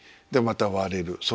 でまた割れる。